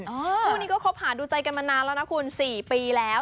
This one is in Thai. คู่นี้ก็คบหาดูใจกันมานานแล้วนะคุณ๔ปีแล้ว